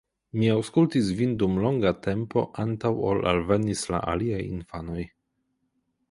Mi aŭskultis vin dum longa tempo antaŭ ol alvenis la aliaj infanoj.